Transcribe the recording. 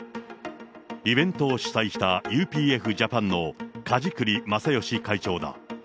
イベントを主催したＵＰＦジャパンの梶栗正義会長だ。